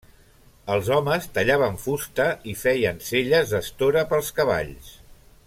Els homes tallaven fusta i feien selles d'estora pels cavalls.